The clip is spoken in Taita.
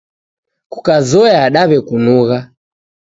Kukazoya, daw'ekunugha